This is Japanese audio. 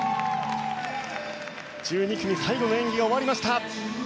１２組最後の演技が終わりました。